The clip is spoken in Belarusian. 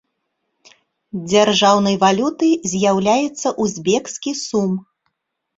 Дзяржаўнай валютай з'яўляецца узбекскі сум.